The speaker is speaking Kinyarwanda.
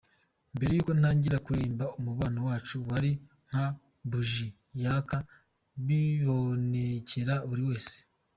Mbere y’uko ntangira kuririmba umubano wacu wari nka buji yaka bibonekera buri wese.